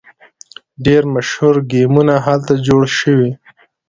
ډیر مشهور ګیمونه هلته جوړ شوي.